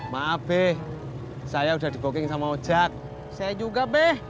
maaf saya udah di booking sama ojak saya juga be